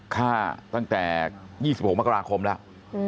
ตั้งแต่๒๖มกราคมแล้ว